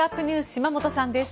島本さんです。